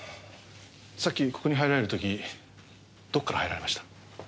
さっきここに入られる時どこから入られました？